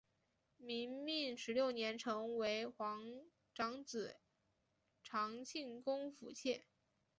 明命十六年成为皇长子长庆公府妾。